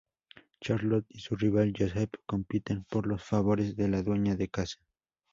Charlot y su rival Joseph compiten por los favores de la dueña de casa.